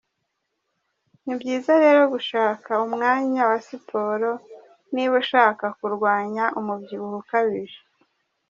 Ni byiza rero gushaka umwanya wa sport, niba ushaka kurwanya umubyibuho ukabije.